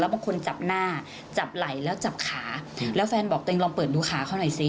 บางคนจับหน้าจับไหล่แล้วจับขาแล้วแฟนบอกตัวเองลองเปิดดูขาเขาหน่อยสิ